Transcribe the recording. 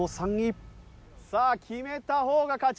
さあ決めた方が勝ち。